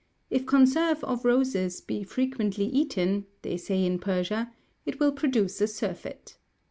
'If conserve of roses be frequently eaten.' they say in Persia, 'it will produce a surfeit.'